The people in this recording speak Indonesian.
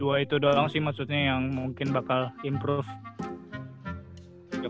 dua itu doang sih maksudnya yang mungkin bakal improve